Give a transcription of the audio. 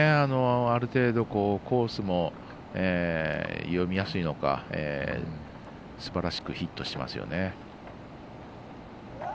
ある程度コースも読みやすいのかすばらしくヒットしますよね。